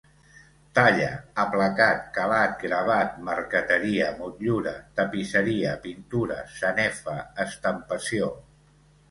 Talla, aplacat, calat, gravat, marqueteria, motllura, tapisseria, pintura, sanefa, estampació.